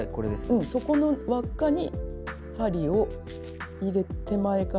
うんそこの輪っかに針を入れ手前から。